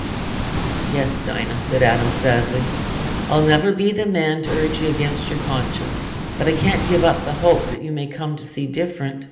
"Yes, Dinah," said Adam sadly, "I'll never be the man t' urge you against your conscience. But I can't give up the hope that you may come to see different.